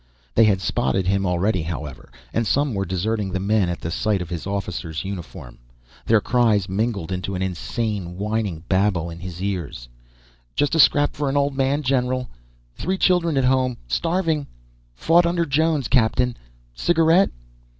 They had spotted him already, however, and some were deserting the men at the sight of his officer's uniform. Their cries mingled into an insane, whining babble in his ears. "... Just a scrap for an old man, general ... three children at home starving ... fought under Jones, captain ... cigarette?"